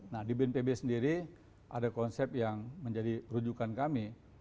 nah di bnpb sendiri ada konsep yang menjadi rujukan kami